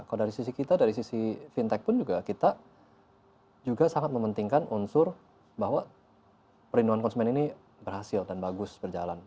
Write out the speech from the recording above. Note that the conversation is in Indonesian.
kalau dari sisi kita dari sisi fintech pun juga kita juga sangat mementingkan unsur bahwa perlindungan konsumen ini berhasil dan bagus berjalan